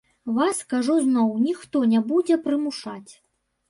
Вас, кажу зноў, ніхто не будзе прымушаць.